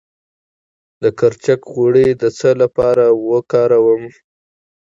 د کرچک غوړي د څه لپاره وکاروم؟